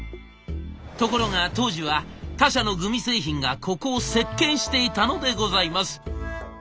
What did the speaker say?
ところが当時は他社のグミ製品がここを席けんしていたのでございます。